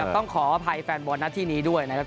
ต้องขออภัยแฟนบอลหน้าที่นี้ด้วยนะครับ